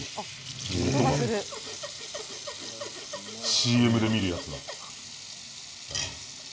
ＣＭで見るやつだ。